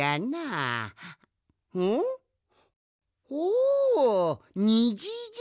おおにじじゃ！